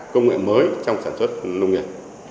công nghệ mới trong sản xuất nông nghiệp